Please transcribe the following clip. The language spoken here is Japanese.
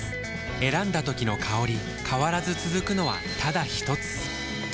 選んだ時の香り変わらず続くのはただひとつ？